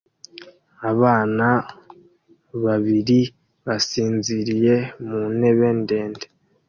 Abana babiri basinziriye mu ntebe ndende